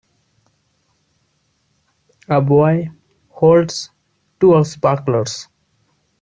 a boy holds two sparklers.